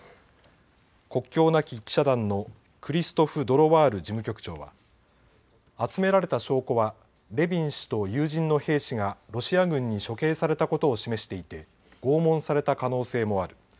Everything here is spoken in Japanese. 国境なき記者団のクリストフ・ドロワール事務局長は集められた証拠はレビン氏と友人の兵士がロシア軍に処刑されたことを示していて拷問された可能性もある。